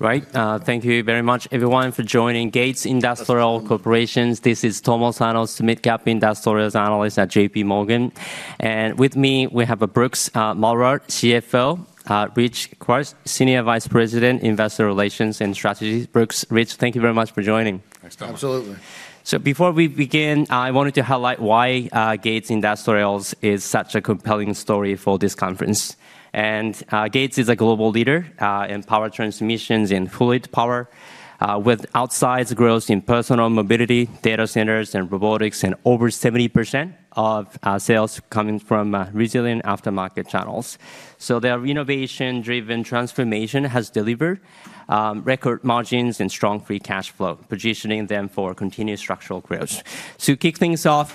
Thank you very much everyone for joining Gates Industrial Corporation. This is Tomohiko Sano, SMID cap industrial analyst at JPMorgan. With me, we have Brooks Mallard, CFO, Rich Kwas, Senior Vice President, Investor Relations and Strategy. Brooks, Rich, thank you very much for joining. Thanks, Tomo. Absolutely. Before we begin, I wanted to highlight why Gates Industrial is such a compelling story for this conference. Gates is a global leader in power transmissions and fluid power with outsized growth in personal mobility, data centers, and robotics, and over 70% of sales coming from resilient aftermarket channels. Their innovation-driven transformation has delivered record margins and strong free cash flow, positioning them for continued structural growth. To kick things off,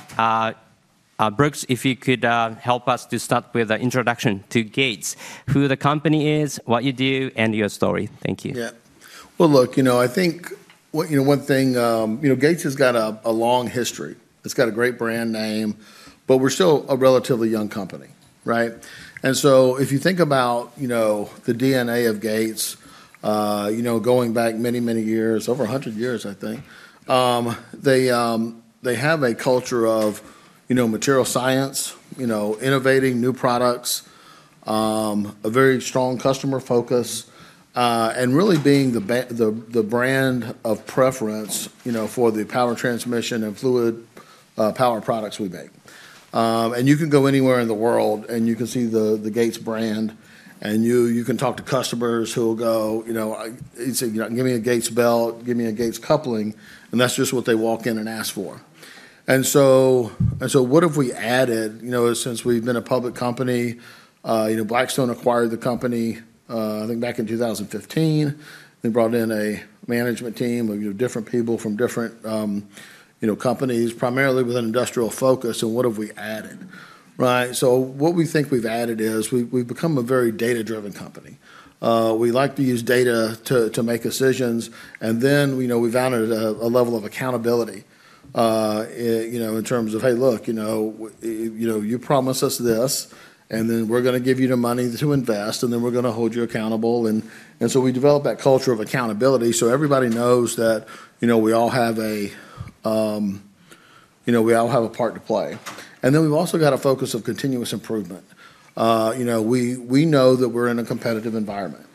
Brooks, if you could help us to start with an introduction to Gates, who the company is, what you do, and your story. Thank you. Well, look, you know, I think one thing, you know, Gates has got a long history. It's got a great brand name, but we're still a relatively young company, right? If you think about, you know, the DNA of Gates, you know, going back many, many years, over 100 years, I think, they have a culture of, you know, material science, you know, innovating new products, a very strong customer focus, and really being the brand of preference, you know, for the power transmission and fluid power products we make. You can go anywhere in the world, and you can see the Gates brand, and you can talk to customers who will go, you know, They say, "Gimme a Gates belt, gimme a Gates coupling," and that's just what they walk in and ask for. What have we added, you know, since we've been a public company? You know, Blackstone acquired the company, I think back in 2015. They brought in a management team of, you know, different people from different, you know, companies, primarily with an industrial focus, and what have we added, right? What we think we've added is we've become a very data-driven company. We like to use data to make decisions. You know, we've added a level of accountability, you know, in terms of, "Hey, look, you know, you promise us this, and then we're gonna give you the money to invest, and then we're gonna hold you accountable." We developed that culture of accountability, so everybody knows that, you know, we all have a part to play. We've also got a focus of continuous improvement. You know, we know that we're in a competitive environment.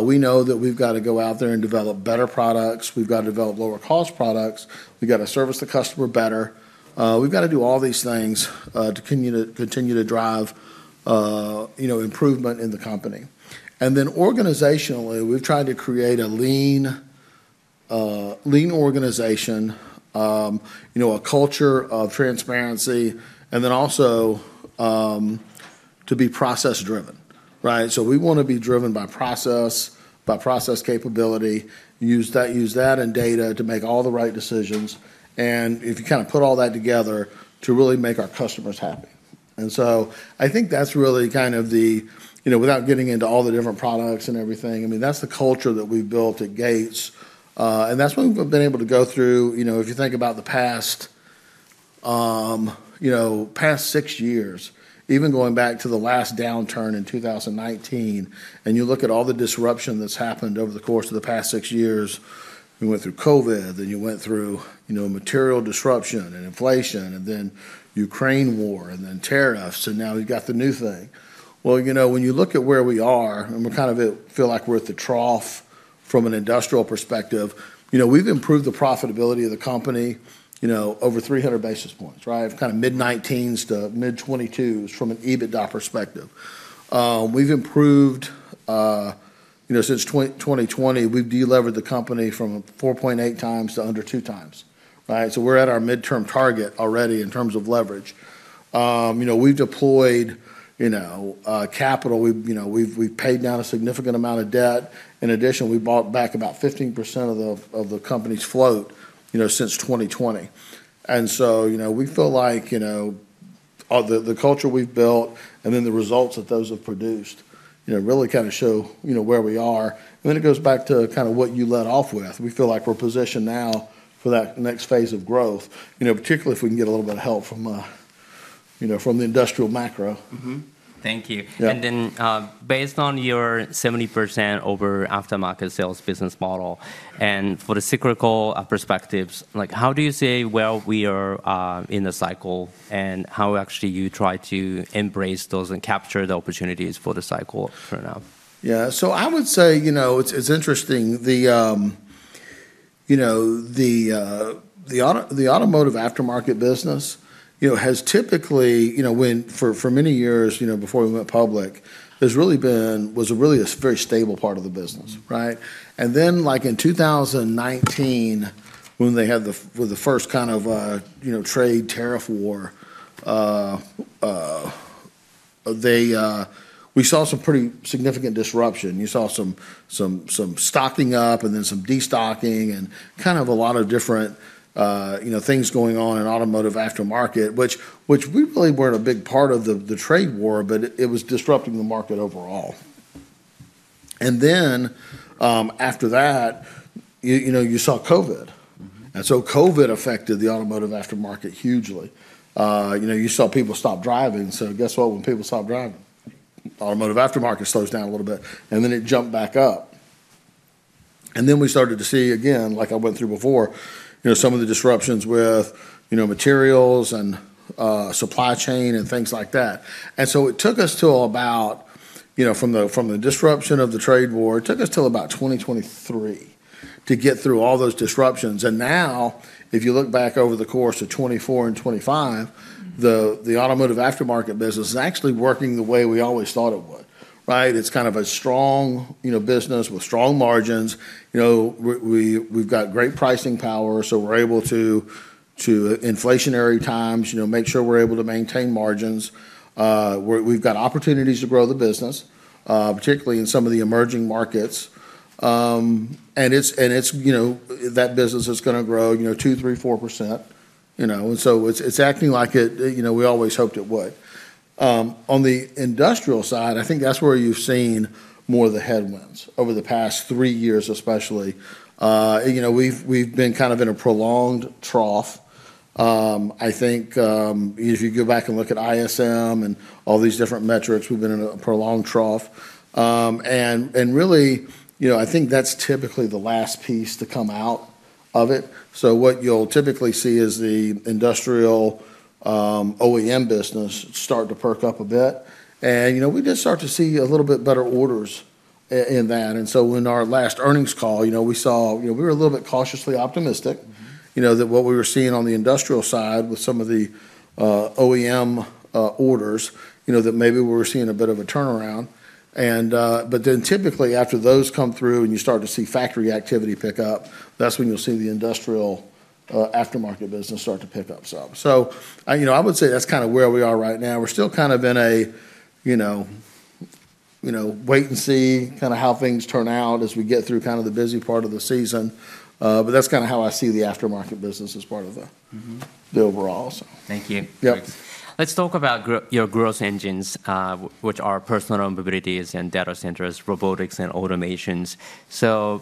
We know that we've gotta go out there and develop better products. We've gotta develop lower cost products. We've gotta service the customer better. We've gotta do all these things to continue to drive, you know, improvement in the company. Organizationally, we've tried to create a lean organization, you know, a culture of transparency, and then also to be process driven, right? We wanna be driven by process, by process capability, use that and data to make all the right decisions, and if you kinda put all that together, to really make our customers happy. I think that's really kind of the, you know, without getting into all the different products and everything. I mean, that's the culture that we've built at Gates. That's what we've been able to go through. You know, if you think about the past, you know, past six years, even going back to the last downturn in 2019, and you look at all the disruption that's happened over the course of the past six years, we went through COVID, then you went through, you know, material disruption and inflation and then Ukraine war and then tariffs, and now we've got the new thing. Well, you know, when you look at where we are, and we kind of feel like we're at the trough from an industrial perspective, you know, we've improved the profitability of the company, you know, over 300 basis points, right? From kind of mid-teens to mid-twenties from an EBITDA perspective. We've improved, you know, since 2020, we've delivered the company from 4.8x to under 2x, right? We're at our midterm target already in terms of leverage. You know, we've deployed capital. We've, you know, paid down a significant amount of debt. In addition, we bought back about 15% of the company's float, you know, since 2020. You know, we feel like, you know, the culture we've built and then the results that those have produced, you know, really kinda show, you know, where we are. It goes back to kinda what you led off with. We feel like we're positioned now for that next phase of growth, you know, particularly if we can get a little bit of help from, you know, from the industrial macro. Thank you. Based on your 70% of aftermarket sales business model, and for the cyclical perspectives, like, how do you see where we are in the cycle, and how actually you try to embrace those and capture the opportunities for the cycle for now? Yeah. I would say, you know, it's interesting. The you know, the automotive aftermarket business, you know, has typically, you know, for many years, you know, before we went public, was really a very stable part of the business. Right? Like, in 2019, when they had the first kind of trade tariff war, we saw some pretty significant disruption. You saw some stocking up and then some destocking and kind of a lot of different things going on in automotive aftermarket, which we really weren't a big part of the trade war, but it was disrupting the market overall. After that, you know, you saw COVID. COVID affected the automotive aftermarket hugely. You know, you saw people stop driving, so guess what? When people stop driving, automotive aftermarket slows down a little bit, and then it jumped back up. We started to see again, like I went through before, you know, some of the disruptions with, you know, materials and, supply chain and things like that. It took us, from the disruption of the trade war, till about 2023 to get through all those disruptions. Now, if you look back over the course of 2024 and 2025. The automotive aftermarket business is actually working the way we always thought it would, right? It's kind of a strong, you know, business with strong margins. You know, we've got great pricing power, so we're able to in inflationary times, you know, make sure we're able to maintain margins. We've got opportunities to grow the business, particularly in some of the emerging markets. It's, you know, that business is gonna grow, you know, 2, 3, 4%. It's acting like it, you know, we always hoped it would. On the industrial side, I think that's where you've seen more of the headwinds over the past three years, especially. You know, we've been kind of in a prolonged trough. I think if you go back and look at ISM and all these different metrics, we've been in a prolonged trough. Really, you know, I think that's typically the last piece to come out of it. What you'll typically see is the industrial OEM business start to perk up a bit. You know, we did start to see a little bit better orders in that. In our last earnings call, you know, we saw, you know, we were a little bit cautiously optimistic. You know that what we were seeing on the industrial side with some of the OEM orders, you know, that maybe we were seeing a bit of a turnaround. But then typically after those come through and you start to see factory activity pick up, that's when you'll see the industrial aftermarket business start to pick up some. You know, I would say that's kinda where we are right now. We're still kind of in a, you know, wait and see kinda how things turn out as we get through kinda the busy part of the season. But that's kinda how I see the aftermarket business as part of the overall, so. Thank you. Let's talk about your growth engines, which are personal mobilities and data centers, robotics and automations.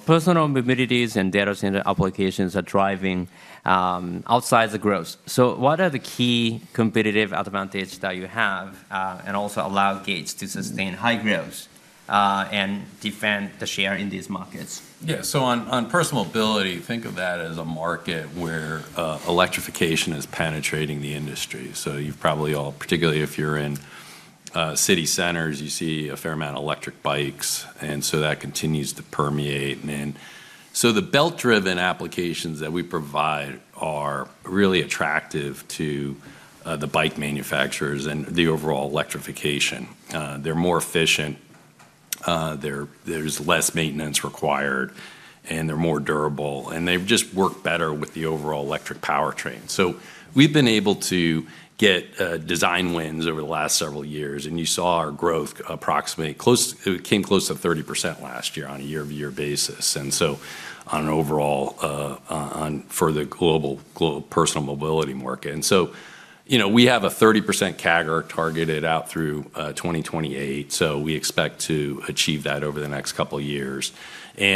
Personal mobilities and data center applications are driving outsized growth. What are the key competitive advantage that you have, and also allow Gates to sustain high growth, and defend the share in these markets? Yeah. On personal mobility, think of that as a market where electrification is penetrating the industry. You've probably all, particularly if you're in city centers, you see a fair amount of electric bikes, and that continues to permeate. The belt-driven applications that we provide are really attractive to the bike manufacturers and the overall electrification. They're more efficient, there's less maintenance required, and they're more durable, and they've just worked better with the overall electric powertrain. We've been able to get design wins over the last several years, and you saw our growth, it came close to 30% last year on a year-over-year basis. On an overall for the global personal mobility market. You know, we have a 30% CAGR targeted out through 2028, so we expect to achieve that over the next couple years. You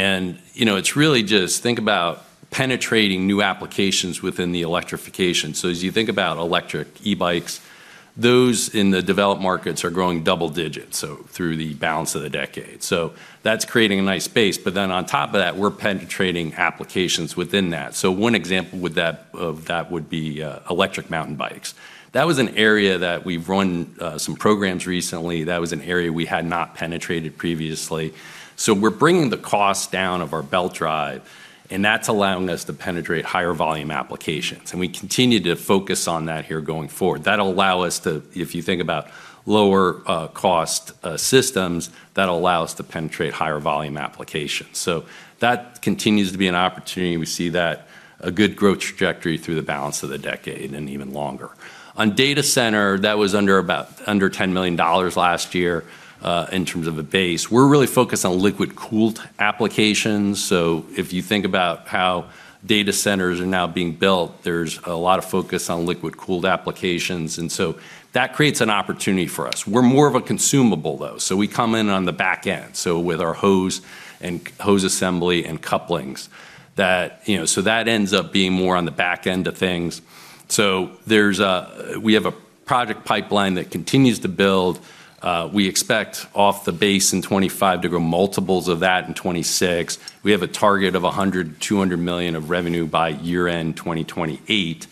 know, it's really just think about penetrating new applications within the electrification. As you think about electric e-bikes, those in the developed markets are growing double digits through the balance of the decade. That's creating a nice base, but then on top of that, we're penetrating applications within that. One example of that would be electric mountain bikes. That was an area that we've run some programs recently. That was an area we had not penetrated previously. We're bringing the cost down of our belt drive, and that's allowing us to penetrate higher volume applications, and we continue to focus on that here going forward. That'll allow us to, if you think about lower cost systems, that'll allow us to penetrate higher volume applications. That continues to be an opportunity. We see that a good growth trajectory through the balance of the decade and even longer. On data center, that was under about $10 million last year, in terms of a base. We're really focused on liquid-cooled applications. If you think about how data centers are now being built, there's a lot of focus on liquid-cooled applications, and so that creates an opportunity for us. We're more of a consumable though, so we come in on the back end, so with our hose and hose assembly and couplings that, you know, that ends up being more on the back end of things. We have a project pipeline that continues to build. We expect off the base in 2025 to grow multiples of that in 2026. We have a target of $100-$200 million of revenue by year-end 2028.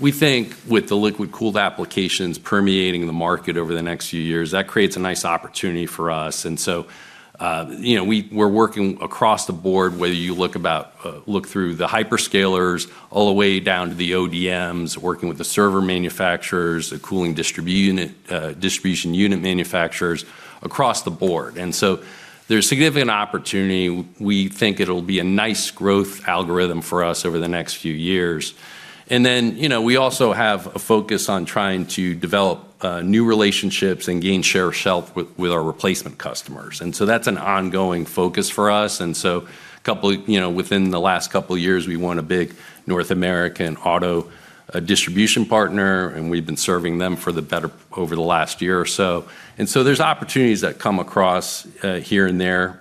We think with the liquid-cooled applications permeating the market over the next few years, that creates a nice opportunity for us. You know, we're working across the board, whether you look through the hyperscalers all the way down to the ODMs, working with the server manufacturers, the cooling distribution unit manufacturers across the board. There's significant opportunity. We think it'll be a nice growth algorithm for us over the next few years. You know, we also have a focus on trying to develop new relationships and gain share of shelf with our replacement customers. That's an ongoing focus for us. Couple, you know, within the last couple years, we won a big North American auto distribution partner, and we've been serving them for the better part of the last year or so. There's opportunities that come across here and there.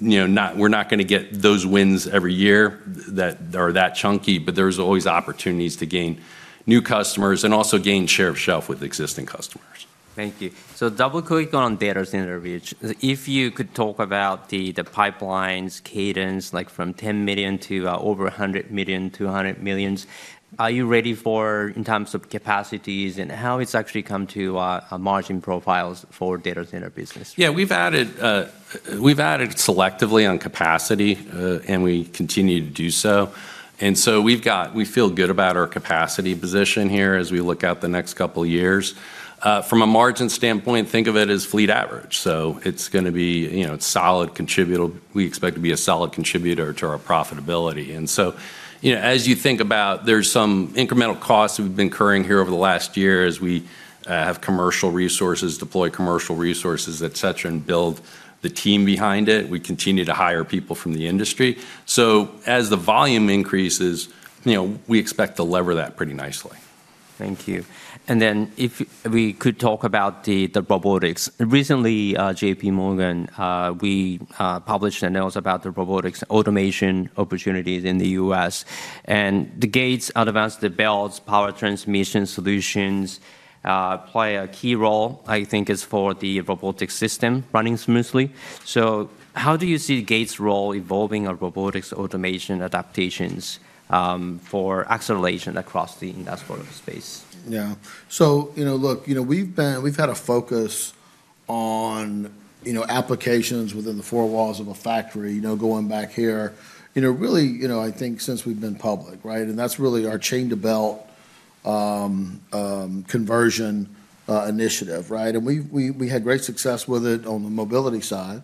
You know, we're not gonna get those wins every year that are that chunky, but there's always opportunities to gain new customers and also gain share of shelf with existing customers. Thank you. Double-click on data center Rich. If you could talk about the pipelines cadence, like from $10 million to over $100 million to $100 million, are you ready for in terms of capacities and how it's actually come to a margin profiles for data center business? We've added selectively on capacity, and we continue to do so. We feel good about our capacity position here as we look out the next couple years. From a margin standpoint, think of it as fleet average. It's gonna be, you know, a solid contributor to our profitability. You know, as you think about, there's some incremental costs we've been incurring here over the last year as we deploy commercial resources, et cetera, and build the team behind it. We continue to hire people from the industry. As the volume increases, you know, we expect to leverage that pretty nicely. Thank you. If we could talk about the robotics. Recently, JPMorgan, we published a note about the robotics automation opportunities in the U.S., and Gates advanced belts, power transmission solutions play a key role, I think, in the robotics system running smoothly. How do you see Gates' role evolving in robotics automation adoption for acceleration across the industrial space? Yeah. You know, look, you know, we've had a focus on, you know, applications within the four walls of a factory, you know, going back here, you know, really, you know, I think since we've been public, right? That's really our chain to belt conversion initiative, right? We had great success with it on the mobility side,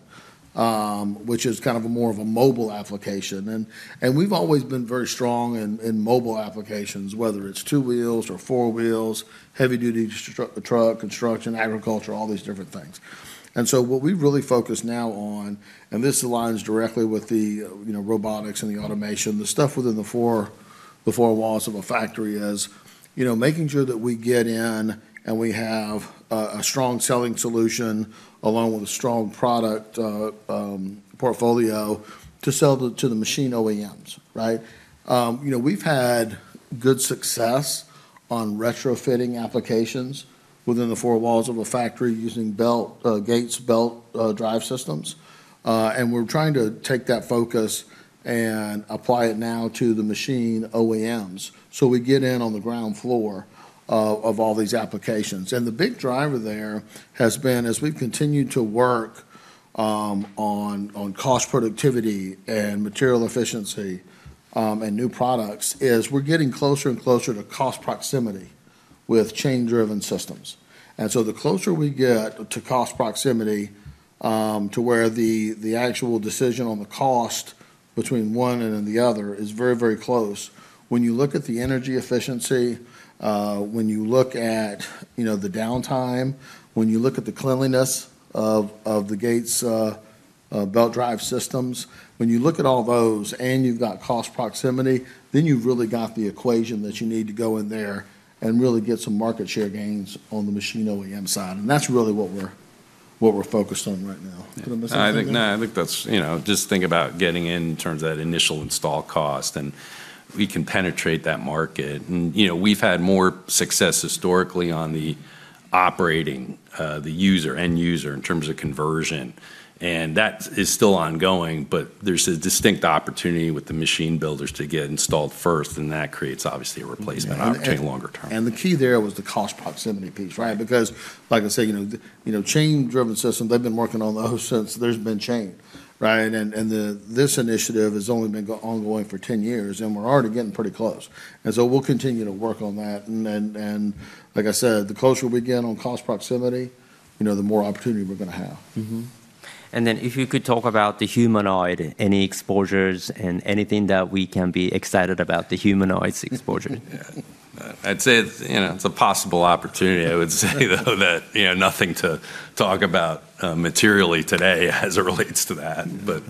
which is kind of more of a mobile application. We've always been very strong in mobile applications, whether it's two wheels or four wheels, heavy duty truck, construction, agriculture, all these different things. What we really focus now on, and this aligns directly with the, you know, robotics and the automation, the stuff within the four walls of a factory is, you know, making sure that we get in and we have a strong selling solution along with a strong product portfolio to sell to the machine OEMs, right? You know, we've had good success on retrofitting applications within the four walls of a factory using Gates belt drive systems. We're trying to take that focus and apply it now to the machine OEMs, so we get in on the ground floor of all these applications. The big driver there has been, as we've continued to work on cost productivity and material efficiency, and new products, is we're getting closer and closer to cost proximity with chain-driven systems. The closer we get to cost proximity to where the actual decision on the cost between one and then the other is very, very close, when you look at the energy efficiency, when you look at, you know, the downtime, when you look at the cleanliness of the Gates belt drive systems, when you look at all those and you've got cost proximity, then you've really got the equation that you need to go in there and really get some market share gains on the machine OEM side, and that's really what we're focused on right now. Put them aside for a minute? I think that's, you know, just think about getting in terms of that initial install cost, and if we can penetrate that market. You know, we've had more success historically on the end user in terms of conversion, and that is still ongoing, but there's a distinct opportunity with the machine builders to get installed first, and that creates obviously a replacement opportunity longer term. The key there was the cost proximity piece, right? Because like I said, you know, chain-driven systems, they've been working on those since there's been chain, right? This initiative has only been ongoing for 10 years, and we're already getting pretty close. Then, like I said, the closer we get on cost proximity, you know, the more opportunity we're gonna have. If you could talk about the humanoid, any exposures and anything that we can be excited about the humanoid's exposure. I'd say it's, you know, it's a possible opportunity. I would say though that, you know, nothing to talk about materially today as it relates to that, but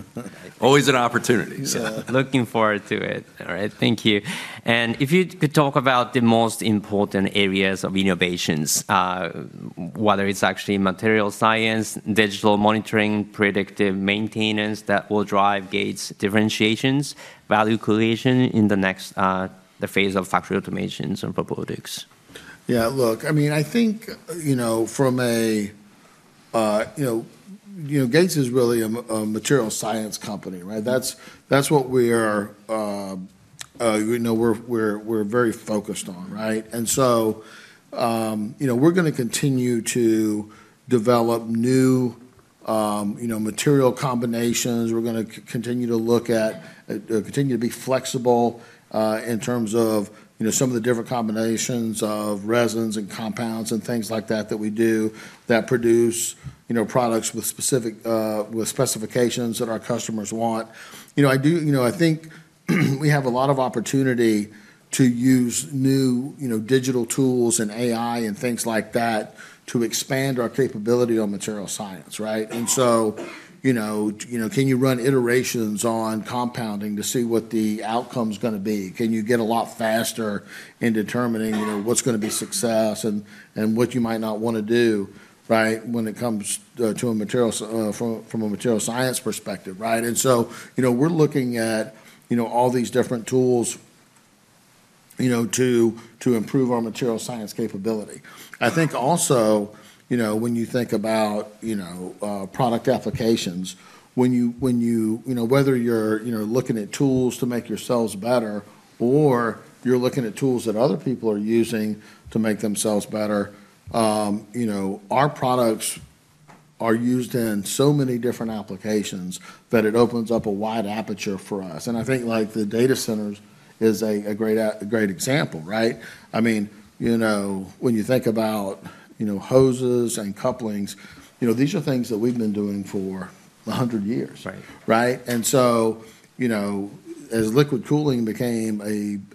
always an opportunity, so. Looking forward to it. All right. Thank you. If you could talk about the most important areas of innovations, whether it's actually material science, digital monitoring, predictive maintenance that will drive Gates' differentiations, value creation in the next, the phase of factory automations and robotics? Yeah, look, I mean, I think, you know, from a, you know, Gates is really a material science company, right? That's what we are, you know, we're very focused on, right? You know, we're gonna continue to develop new, you know, material combinations. We're gonna continue to look at, continue to be flexible, in terms of, you know, some of the different combinations of resins and compounds and things like that that we do that produce, you know, products with specific, with specifications that our customers want. You know, I do, you know, I think we have a lot of opportunity to use new, you know, digital tools and AI and things like that to expand our capability on material science, right? You know, can you run iterations on compounding to see what the outcome's gonna be? Can you get a lot faster in determining, you know, what's gonna be success and what you might not wanna do, right? When it comes to a material science perspective, right? You know, we're looking at all these different tools, you know, to improve our material science capability. I think also, you know, when you think about, you know, product applications, you know, whether you're, you know, looking at tools to make yourselves better, or you're looking at tools that other people are using to make themselves better, you know, our products are used in so many different applications that it opens up a wide aperture for us. I think like the data centers is a great example, right? I mean, you know, when you think about, you know, hoses and couplings, you know, these are things that we've been doing for 100 years. You know, as liquid cooling became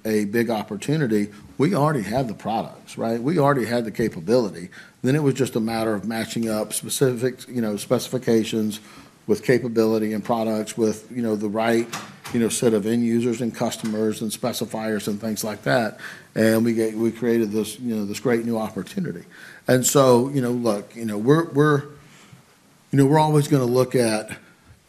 a big opportunity, we already had the products, right? We already had the capability. It was just a matter of matching up specific, you know, specifications with capability and products with, you know, the right, you know, set of end users and customers and specifiers and things like that. We created this, you know, this great new opportunity. You know, look, you know, we're. You know, we're always gonna look at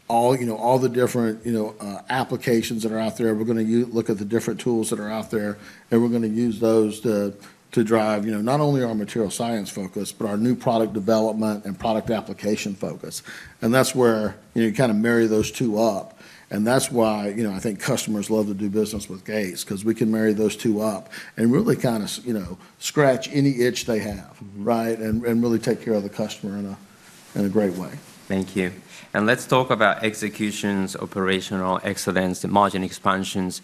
all, you know, all the different, you know, applications that are out there, we're gonna look at the different tools that are out there, and we're gonna use those to drive, you know, not only our material science focus, but our new product development and product application focus, and that's where you kinda marry those two up, and that's why, you know, I think customers love to do business with Gates 'cause we can marry those two up and really kinda, you know, scratch any itch they have, right? And really take care of the customer in a great way. Thank you. Let's talk about executions, operational excellence, the margin expansions.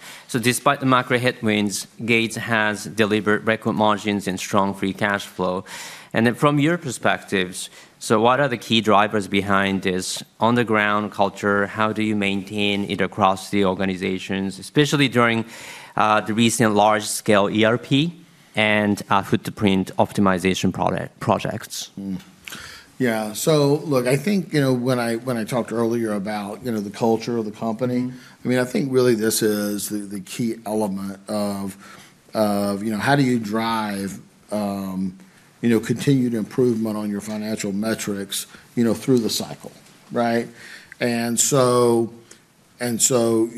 Despite the macro headwinds, Gates has delivered record margins and strong free cash flow. From your perspectives, so what are the key drivers behind this on-the-ground culture? How do you maintain it across the organizations, especially during the recent large scale ERP and footprint optimization projects? Look, I think, you know, when I talked earlier about, you know, the culture of the company, I mean, I think really this is the key element of, you know, how do you drive, you know, continued improvement on your financial metrics, you know, through the cycle, right? You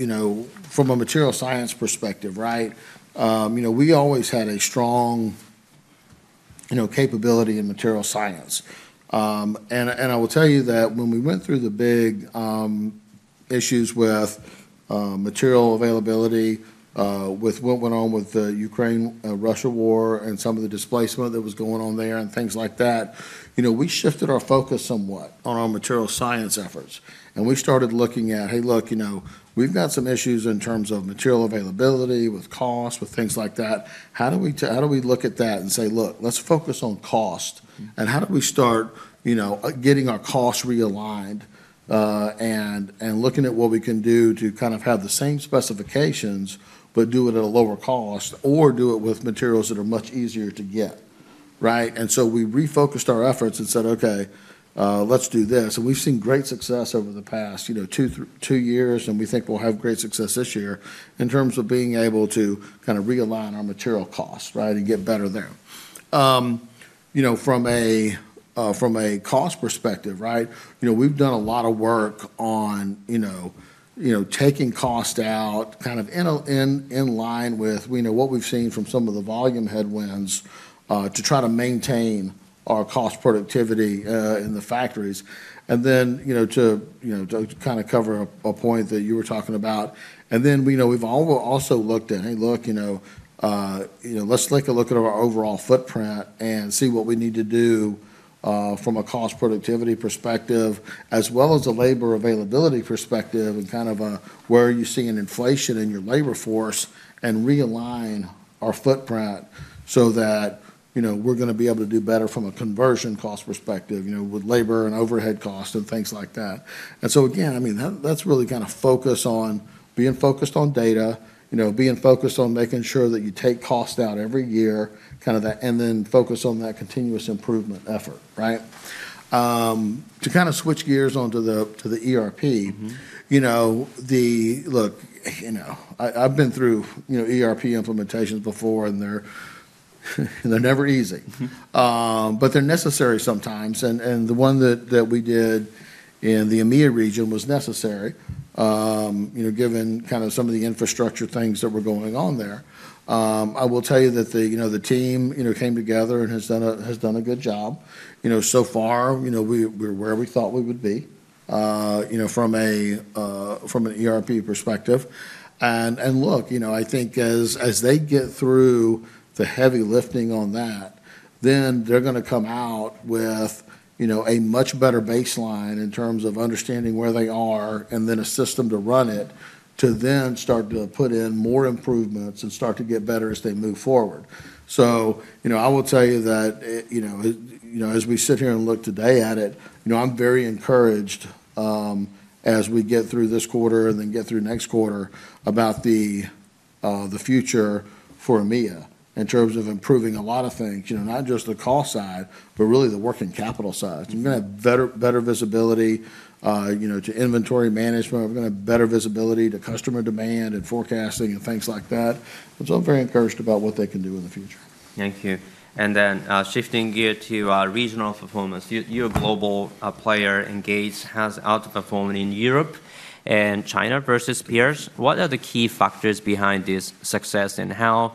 know, from a material science perspective, right, you know, we always had a strong, you know, capability in material science. I will tell you that when we went through the big issues with material availability, with what went on with the Ukraine, Russia war and some of the displacement that was going on there and things like that, you know, we shifted our focus somewhat on our material science efforts, and we started looking at, "Hey, look, you know, we've got some issues in terms of material availability, with cost, with things like that. How do we look at that and say, 'Look, let's focus on cost.' How do we start, you know, getting our costs realigned, and looking at what we can do to kind of have the same specifications, but do it at a lower cost, or do it with materials that are much easier to get?" Right? We refocused our efforts and said, "Okay, let's do this." We've seen great success over the past, you know, two years, and we think we'll have great success this year in terms of being able to kinda realign our material costs, right? Get better there. You know, from a cost perspective, right, you know, we've done a lot of work on, you know, taking cost out kind of in line with, you know, what we've seen from some of the volume headwinds, to try to maintain our cost productivity in the factories. You know, to kind of cover a point that you were talking about. We know we've also looked at, let's take a look at our overall footprint and see what we need to do from a cost productivity perspective as well as a labor availability perspective and kind of where are you seeing inflation in your labor force and realign our footprint so that, you know, we're gonna be able to do better from a conversion cost perspective, you know, with labor and overhead costs and things like that. I mean, that's really gonna focus on being focused on data, you know, being focused on making sure that you take cost out every year, kind of that, and then focus on that continuous improvement effort, right? To kind of switch gears to the ERP. Look, you know, I've been through, you know, ERP implementations before, and they're never easy. They're necessary sometimes. The one that we did in the EMEIA region was necessary, you know, given kind of some of the infrastructure things that were going on there. I will tell you that the team, you know, came together and has done a good job. You know, so far, you know, we're where we thought we would be, you know, from an ERP perspective. Look, you know, I think as they get through the heavy lifting on that, then they're gonna come out with, you know, a much better baseline in terms of understanding where they are and then a system to run it, to then start to put in more improvements and start to get better as they move forward. You know, I will tell you that as we sit here and look today at it, you know, I'm very encouraged as we get through this quarter and then get through next quarter about the future for EMEIA in terms of improving a lot of things. You know, not just the cost side, but really the working capital side. I'm gonna have better visibility to inventory management. We're gonna have better visibility to customer demand and forecasting and things like that. I'm very encouraged about what they can do in the future. Thank you. Shifting gear to regional performance. You're a global player, and Gates has outperformed in Europe and China versus peers. What are the key factors behind this success, and how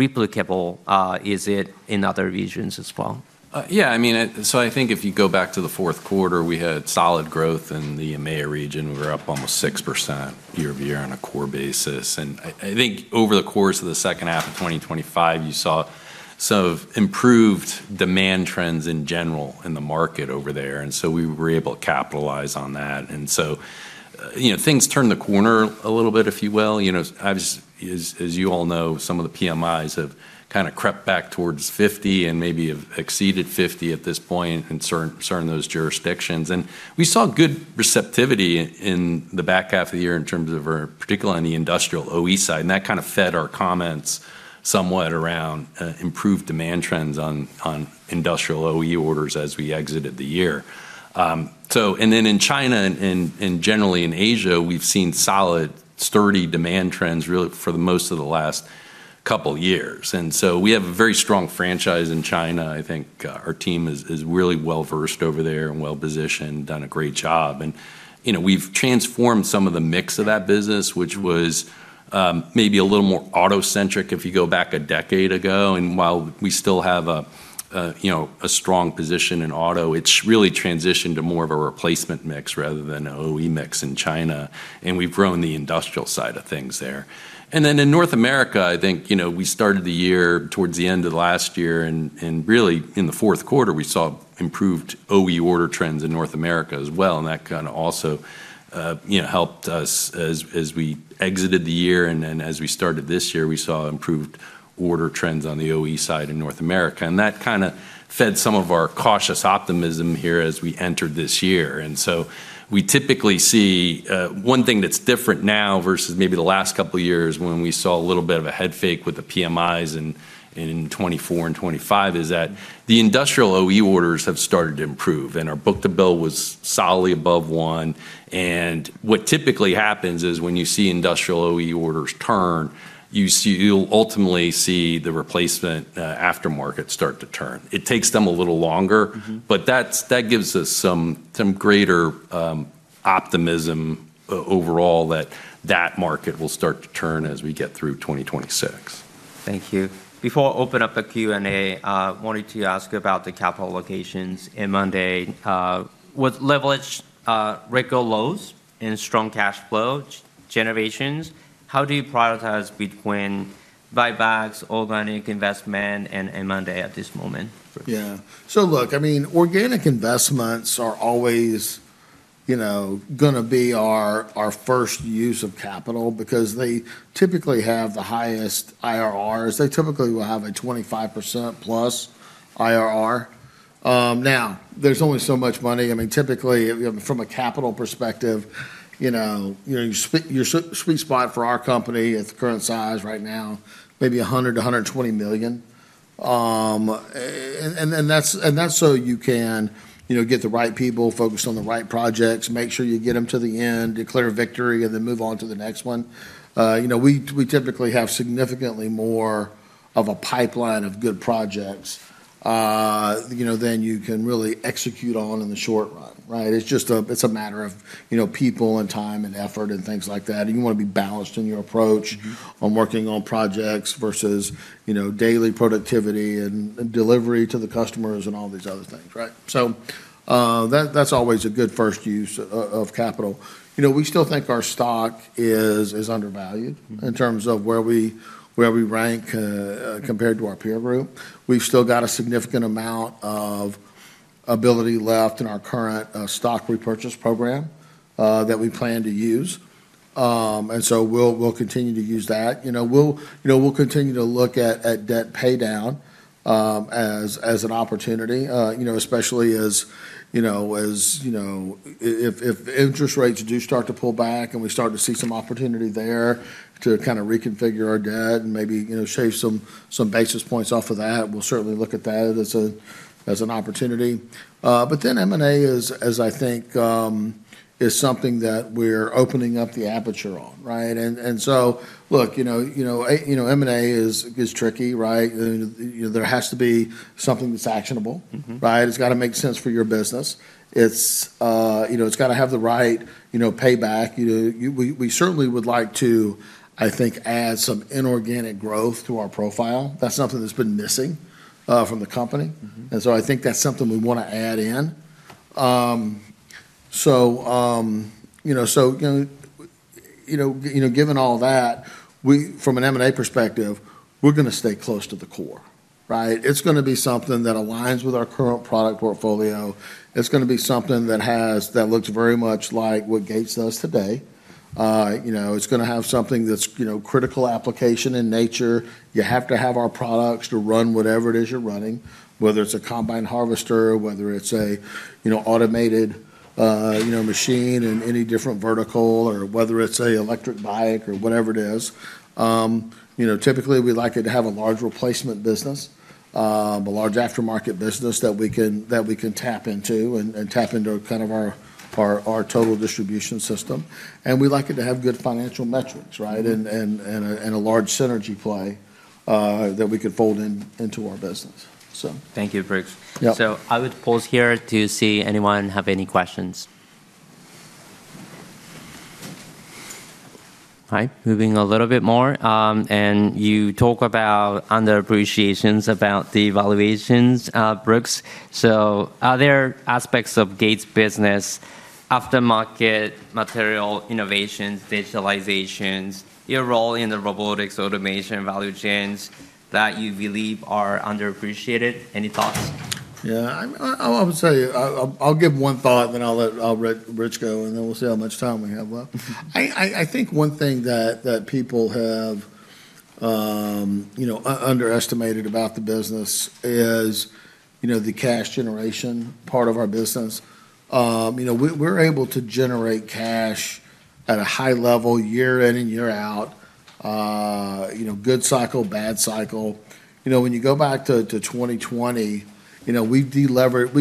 replicable is it in other regions as well? I think if you go back to the Q4, we had solid growth in the EMEIA region. We were up almost 6% year-over-year on a core basis. I think over the course of the second half of 2025, you saw some improved demand trends in general in the market over there, and so we were able to capitalize on that. You know, things turned the corner a little bit, if you will. You know, as you all know, some of the PMIs have kinda crept back towards 50 and maybe have exceeded 50 at this point in certain of those jurisdictions. We saw good receptivity in the back half of the year in terms of particularly on the industrial OE side, and that kind of fed our comments somewhat around improved demand trends on industrial OE orders as we exited the year. In China and generally in Asia, we've seen solid, steady demand trends really for most of the last couple years. We have a very strong franchise in China. I think our team is really well-versed over there and well-positioned, done a great job. You know, we've transformed some of the mix of that business, which was maybe a little more auto-centric if you go back a decade ago. While we still have you know a strong position in auto, it's really transitioned to more of a replacement mix rather than an OE mix in China, and we've grown the industrial side of things there. In North America, I think, you know, we started the year towards the end of last year and really in the Q4, we saw improved OE order trends in North America as well, and that kinda also you know helped us as we exited the year and then as we started this year, we saw improved order trends on the OE side in North America. That kinda fed some of our cautious optimism here as we entered this year. We typically see one thing that's different now versus maybe the last couple years when we saw a little bit of a head fake with the PMIs in 2024 and 2025 is that the industrial OE orders have started to improve, and our book-to-bill was solidly above one. What typically happens is when you see industrial OE orders turn, you'll ultimately see the replacement aftermarket start to turn. It takes them a little longer. That gives us some greater optimism overall that the market will start to turn as we get through 2026. Thank you. Before I open up the Q&A, I wanted to ask about the capital allocations in M&A. With leverage at record lows and strong cash flow generation, how do you prioritize between buybacks, organic investment, and M&A at this moment? Yeah. Look, I mean, organic investments are always, you know, gonna be our first use of capital because they typically have the highest IRRs. They typically will have a 25%+ IRR. Now, there's only so much money. I mean, typically, you know, from a capital perspective, you know, your sweet spot for our company at the current size right now, maybe $100 million-$120 million, and that's so you can, you know, get the right people focused on the right projects, make sure you get them to the end, declare victory, and then move on to the next one. You know, we typically have significantly more of a pipeline of good projects, you know, than you can really execute on in the short run, right? It's a matter of, you know, people and time and effort and things like that. You wanna be balanced in your approach. On working on projects versus, you know, daily productivity and delivery to the customers and all these other things, right? That's always a good first use of capital. You know, we still think our stock is undervalued. In terms of where we rank compared to our peer group. We've still got a significant amount of ability left in our current stock repurchase program that we plan to use. We'll continue to use that. You know, we'll continue to look at debt paydown as an opportunity, you know, especially as interest rates do start to pull back and we start to see some opportunity there to kinda reconfigure our debt and maybe, you know, shave some basis points off of that. We'll certainly look at that as an opportunity. M&A, as I think, is something that we're opening up the aperture on, right? Look, you know, M&A is tricky, right? You know, there has to be something that's actionable. Right? It's gotta make sense for your business. It's, you know, it's gotta have the right, you know, payback. You know, we certainly would like to, I think, add some inorganic growth to our profile. That's something that's been missing from the company. I think that's something we wanna add in. You know, given all that, from an M&A perspective, we're gonna stay close to the core, right? It's gonna be something that aligns with our current product portfolio. It's gonna be something that looks very much like what Gates does today. You know, it's gonna have something that's, you know, critical application in nature. You have to have our products to run whatever it is you're running, whether it's a combine harvester, whether it's a, you know, automated, you know, machine in any different vertical or whether it's a electric bike or whatever it is. You know, typically we like it to have a large replacement business, a large aftermarket business that we can tap into and tap into kind of our total distribution system, and we like it to have good financial metrics, right? A large synergy play that we can fold into our business. Thank you, Brooks. Yep. I would pause here to see if anyone has any questions. All right, moving a little bit more. You talk about underappreciations about the valuations, Brooks. Are there aspects of Gates business, aftermarket, material, innovations, digitalizations, your role in the robotics automation value chains that you believe are underappreciated? Any thoughts? Yeah. I'll tell you, I'll give one thought, then I'll let Rich go, and then we'll see how much time we have left. I think one thing that people have, you know, underestimated about the business is, you know, the cash generation part of our business. You know, we're able to generate cash at a high level year in and year out, you know, good cycle, bad cycle. You know, when you go back to 2020, you know, we delevered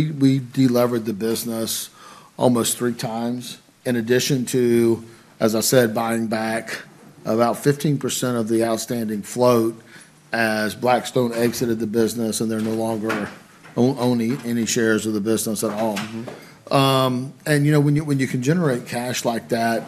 the business almost three times in addition to, as I said, buying back about 15% of the outstanding float as Blackstone exited the business and they're no longer owning any shares of the business at all You know, when you can generate cash like that,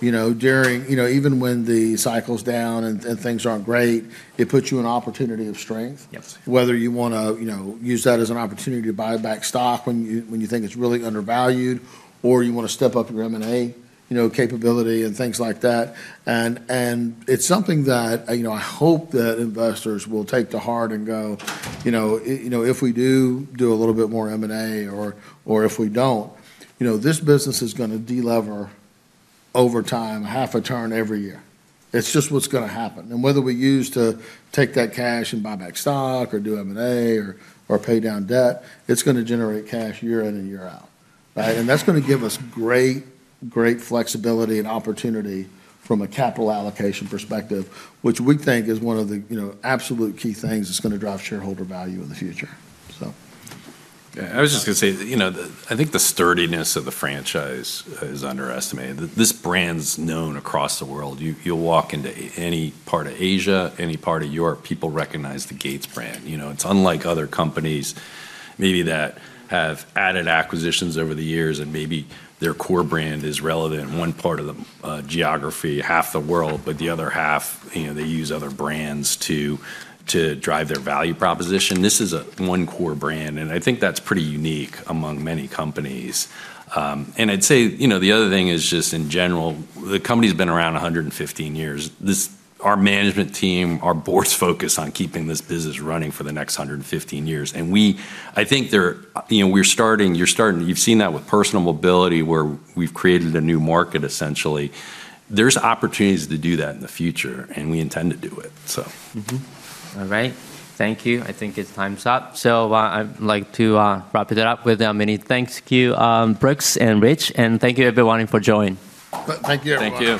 you know, during, you know, even when the cycle's down and things aren't great, it puts you in opportunity of strength. Whether you wanna, you know, use that as an opportunity to buy back stock when you, when you think it's really undervalued, or you wanna step up your M&A, you know, capability and things like that. It's something that, you know, I hope that investors will take to heart and go, you know, if we do a little bit more M&A or if we don't, you know, this business is gonna delever over time, half a turn every year. It's just what's gonna happen. Whether we use to take that cash and buy back stock or do M&A or pay down debt, it's gonna generate cash year in and year out, right? That's gonna give us great flexibility and opportunity from a capital allocation perspective, which we think is one of the, you know, absolute key things that's gonna drive shareholder value in the future. Yeah. I was just gonna say, you know, the, I think the sturdiness of the franchise is underestimated. This brand's known across the world. You, you'll walk into any part of Asia, any part of Europe, people recognize the Gates brand. You know, it's unlike other companies maybe that have added acquisitions over the years, and maybe their core brand is relevant in one part of the geography, half the world, but the other half, you know, they use other brands to drive their value proposition. This is a one core brand, and I think that's pretty unique among many companies. I'd say, you know, the other thing is just in general, the company's been around 115 years. Our management team, our board's focused on keeping this business running for the next 115 years. I think, you know, we're starting. You've seen that with personal mobility, where we've created a new market, essentially. There's opportunities to do that in the future, and we intend to do it. All right. Thank you. I think it's time's up. I'd like to wrap it up with a thank you, Brooks and Rich, and thank you everyone for joining. Thank you, everyone. Thank you.